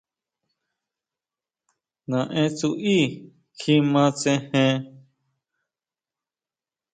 Nae Tsui kjima tsejen.